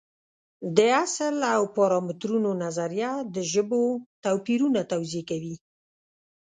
د اصل او پارامترونو نظریه د ژبو توپیرونه توضیح کوي.